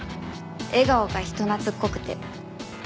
笑顔が人懐っこくて。